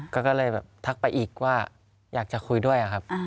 ก็เลยแบบทักไปอีกว่าอยากจะคุยด้วยครับ